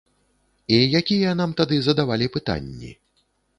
І якія нам тады задавалі пытанні?